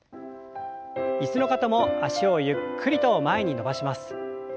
椅子の方も脚をゆっくりと前に伸ばします。